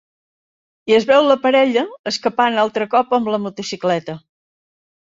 I es veu la parella escapant altre cop amb la motocicleta.